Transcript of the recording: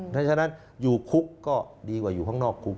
เพราะฉะนั้นอยู่คุกก็ดีกว่าอยู่ข้างนอกคุก